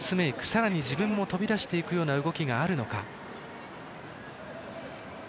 さらに自分も飛び出していく動きがあるのか。